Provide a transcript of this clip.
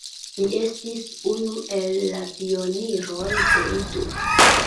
Li estis unu el la pioniroj de Ido.